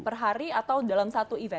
per hari atau dalam satu event